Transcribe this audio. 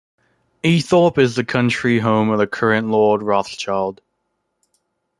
Eythrope is the country home of the current Lord Rothschild.